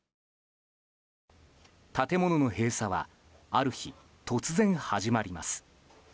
建物の閉鎖はある日、突然始まります。